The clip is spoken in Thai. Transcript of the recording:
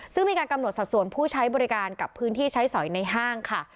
ซึ่งมีการกำหนดสัดส่วนผู้ใช้บริการกับพื้นที่ใช้สอยในห้างค่ะ